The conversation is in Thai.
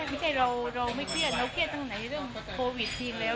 ไม่ใช่เราไม่เครียดเราเครียดตั้งไหนเรื่องโควิดจริงแล้ว